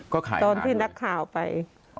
ก็ขายอาหารตอนที่นักข่าวไปอ๋อ